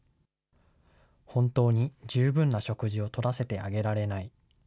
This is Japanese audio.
本当に十分な食事をとらせてあげられない。